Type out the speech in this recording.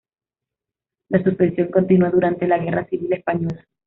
La suspensión continuó durante la guerra civil española.